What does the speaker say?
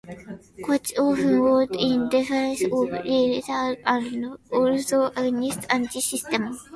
Koch often wrote in defense of Israel and, also, against anti-Semitism.